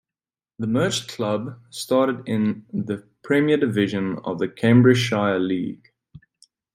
The merged club started in the Premier Division of the Cambridgeshire League.